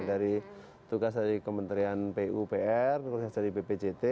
dari tugas dari kementerian pupr tugas dari bpjt